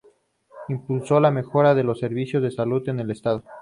Impulsó la mejora de los servicios de salud en el Estado.